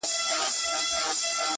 گلاب دی، گل دی، زړه دی د چا~